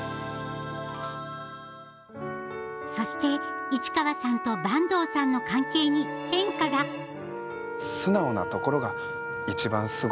そして市川さんと坂東さんの関係に変化が素直がところが一番すごいって思います。